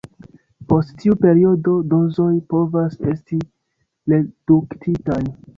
Post tiu periodo, dozoj povas esti reduktitaj.